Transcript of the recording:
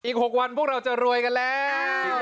๖วันพวกเราจะรวยกันแล้ว